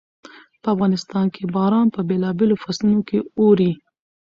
په افغانستان کې باران په بېلابېلو فصلونو کې اوري.